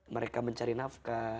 mereka mencari nafkah